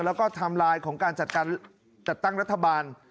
และทำลายของการจัดการย์จัดตั้งรัฐบาล